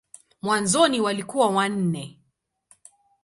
Mwanzoni walikuwa wanne.